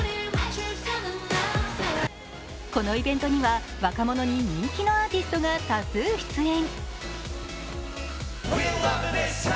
このイベントには若者に人気のアーティストが多数出演。